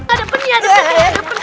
ada penuh ya ada penuh